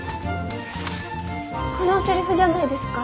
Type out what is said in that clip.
このセリフじゃないですか？